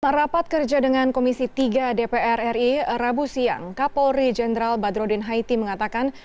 rapat kerja dengan komisi tiga dpr ri rabu siang kapolri jenderal badrodin haiti mengatakan